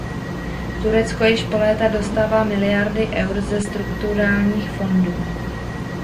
Turecko již po léta dostává miliardy eur ze strukturálních fondů.